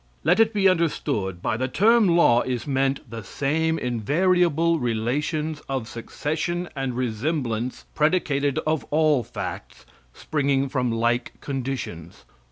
Let it be understood by the term Law is meant the same invariable relations of succession and resemblance predicated of all facts springing from like conditions.